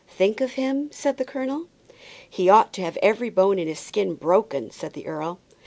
"Think of him?" said the colonel. "He ought to have every bone in his skin broken," said the earl.